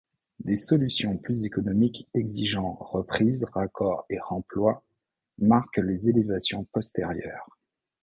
Des solutions plus économiques exigeant reprises, raccords et remplois, marquent les élévations postérieures.